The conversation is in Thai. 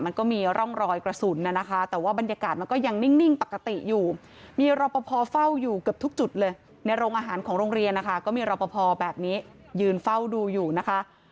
ในโรงอาหารของโรงเรียนนะคะก็มีรอปภแบบนี้ยืนเฝ้าดูอยู่นะคะ